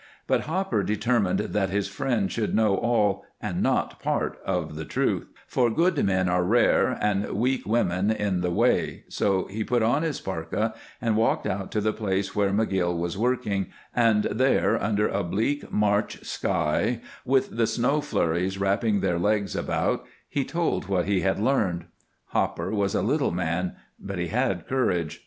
But Hopper determined that his friend should know all and not part of the truth, for good men are rare and weak women in the way, so he put on his parka and walked out to the place where McGill was working, and there, under a bleak March sky, with the snow flurries wrapping their legs about, he told what he had learned. Hopper was a little man, but he had courage.